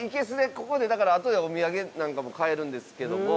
ここでだからあとでお土産なんかも買えるんですけども。